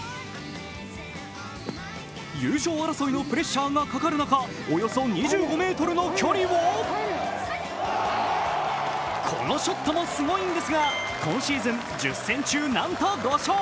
優勝争いのプレッシャーがかかる中、およそ２５ｍの距離をこのショットもすごいんですが、今シーズン１０戦中なんと５勝。